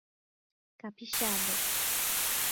Capixaba